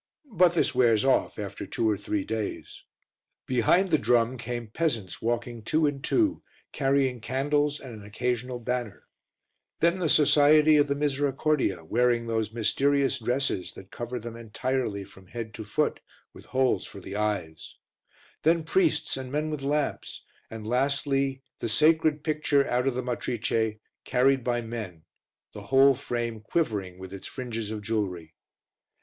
But this wears off after two or three days. Behind the drum came peasants walking two and two, carrying candles and an occasional banner; then the Society of the Misericordia, wearing those mysterious dresses that cover them entirely from head to foot, with holes for the eyes; then priests and men with lamps, and, lastly, the sacred picture out of the Matrice, carried by men, the whole frame quivering with its fringes of jewellery.